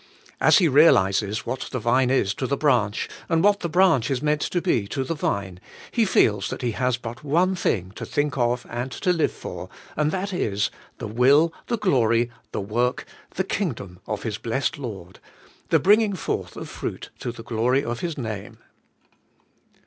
As he realizes what the vine is to the branch, and what the branch is meant to be to the vine, he feels that he has but one thing to think of and to live for, and that is, the will, the glory, the work, the kingdom of his blessed Lord, — the bringing forth of fruit to the glory of His name.